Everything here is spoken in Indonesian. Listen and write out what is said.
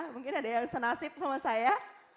mungkin ada yang senasib sama saya